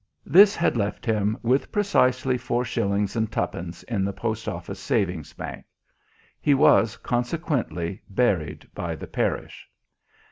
This had left him with precisely four shillings and twopence in the Post Office Savings Bank. He was, consequently, buried by the parish.